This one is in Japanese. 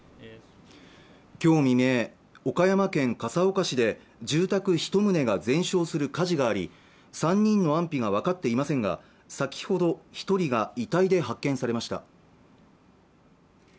今日未明、岡山県笠岡市で住宅一棟が全焼する火事があり３人の安否が分かっていませんが先ほど一人が遺体で発見されました